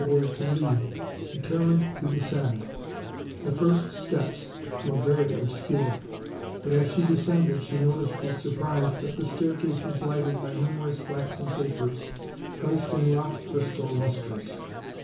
151 where it could lead, determined to descend: the first steps were very obscure; but as she descended she noticed with surprise that the staircase was lighted by numerous waxen tapers placed in rock crystal lusters.